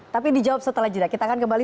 tapi dijawab setelah jeda kita akan kembali